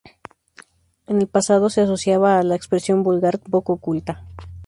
En el pasado se asociaban a la expresión vulgar, poco culta.